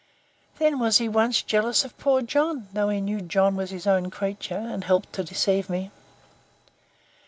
Then was he once jealous of poor John, though he knew John was his own creature, and helped to deceive me.